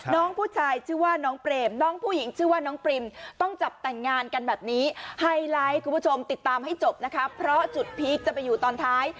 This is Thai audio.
น้องผู้ชายชื่อว่าน้องเปรมน้องผู้หญิงชื่อว่าน้องปริมต้องจับแต่งงานกันแบบนี้ไฮไลท์คุณผู้ชมติดตามให้จบนะคะเพราะจุดพีคจะไปอยู่ตอนท้าย